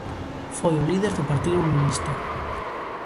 Foi o líder do partido unionista.